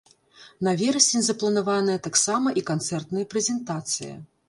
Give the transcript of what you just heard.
На верасень запланаваная таксама і канцэртная прэзентацыя.